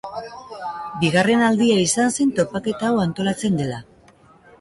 Bigarren aldia izan zen topaketa hau antolatzen dela.